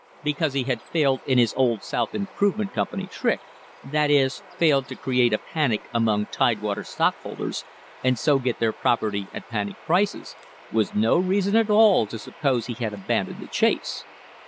Because he had failed in his old South Improvement Company trick, that is, failed to create a panic among Tide water stockholders, and so get their property at panic prices, was no reason at all to suppose he had abandoned the chase.